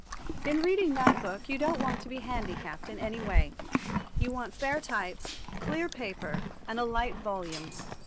In reading that book you don't want to be handicapped in any way. You want fair type, clear paper, and a light volume.